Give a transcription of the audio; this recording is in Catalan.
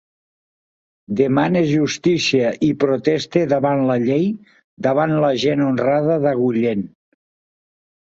Demane justícia i proteste davant la llei, davant la gent honrada d'Agullent.